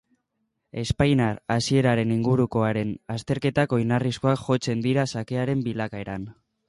Espainiar hasieraren inguruko haren azterketak oinarrizkoak jotzen dira xakearen bilakaeran.